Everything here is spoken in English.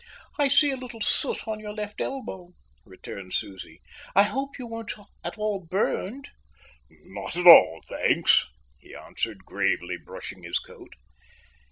"I see a little soot on your left elbow," returned Susie. "I hope you weren't at all burned." "Not at all, thanks," he answered, gravely brushing his coat.